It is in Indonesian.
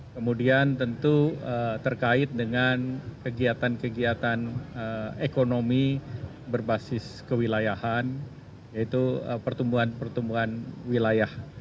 kemudian tentu terkait dengan kegiatan kegiatan ekonomi berbasis kewilayahan yaitu pertumbuhan pertumbuhan wilayah